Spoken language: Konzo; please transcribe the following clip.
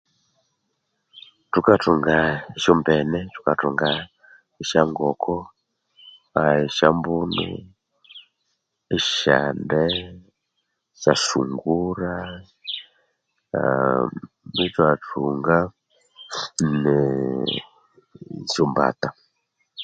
Thukathunga esyombene, thukathunga esyangoko, esyambuno, esyande, esyasungura, ithwathunga ne esyombata.